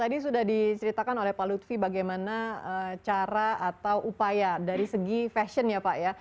tadi sudah diceritakan oleh pak lutfi bagaimana cara atau upaya dari segi fashion ya pak ya